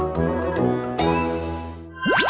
คุณปลอย